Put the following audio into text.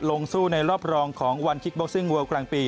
ลงสู้ในรอบรองของวันคิกบ็อกซิ่งเวิลกลางปี